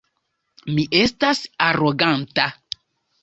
Mi estas aroganta.